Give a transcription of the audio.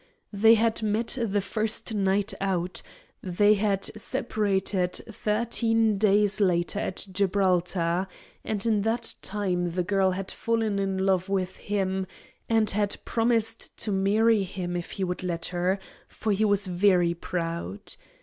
They had met the first night out; they had separated thirteen days later at Gibraltar, and in that time the girl had fallen in love with him, and had promised to marry him if he would let her, for he was very proud.